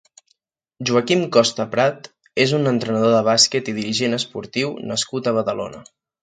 Joaquim Costa Prat és un entrenador de bàsquet i dirigent esportiu nascut a Badalona.